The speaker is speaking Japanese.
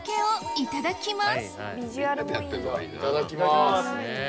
いただきます。